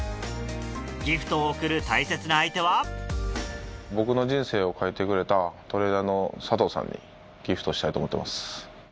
ギフトを贈る大切な相手は僕の人生を変えてくれたトレーナーの佐藤さんにギフトしたいと思ってます。